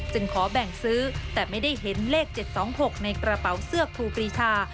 ขอแบ่งซื้อแต่ไม่ได้เห็นเลข๗๒๖ในกระเป๋าเสื้อครูปรีชา